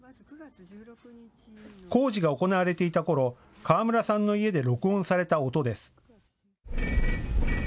工事が行われていたころ、河村さんの家で録音された音です。